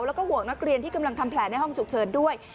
แล้วก็ห่วงนักเรียนที่กำลังทำแผลในห้องฉุกเฉินด้วย